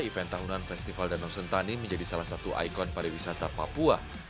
event tahunan festival danau sentani menjadi salah satu ikon pariwisata papua